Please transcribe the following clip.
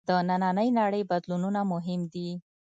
د نننۍ نړۍ بدلونونه مهم دي.